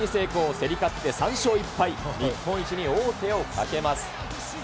競り勝って３勝１敗、日本一に王手をかけます。